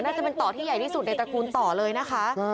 น่าจะเป็นต่อที่ใหญ่ที่สุดในตระกูลต่อเลยนะคะ